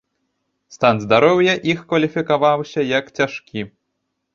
Стан здароўя іх кваліфікаваўся як цяжкі.